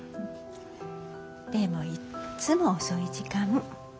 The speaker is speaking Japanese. でもいっつも遅い時間。